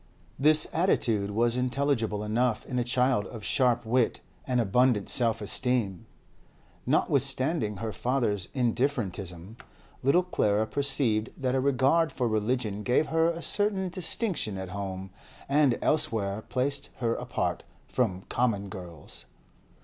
This attitude was intelligible enough in a child of sharp wit and abundant self esteem. Notwithstanding her father's indifferentism, little Clara perceived that a regard for religion gave her a certain distinction at home, and elsewhere placed her apart from 'common girls.